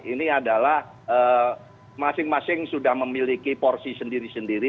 ini adalah masing masing sudah memiliki porsi sendiri sendiri